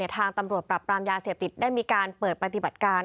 ทางตำรวจปรับปรามยาเสพติดได้มีการเปิดปฏิบัติการ